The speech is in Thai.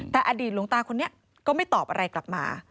แต่อดีตหลวงตาคนนี้ก็ไม่ตอบอะไรกลับมา